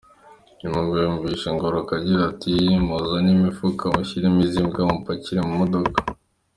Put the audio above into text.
Nyuma ngo yumvise Ngoroka agira ati: “Muzane imifuka mushyiremo izi mbwa mupakire mu modoka.”